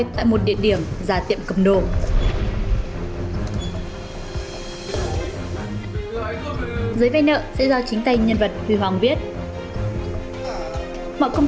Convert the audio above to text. nợ vào một địa điểm giả tiệm cầm đồ dưới vay nợ sẽ do chính tay nhân vật huy hoàng viết mọi công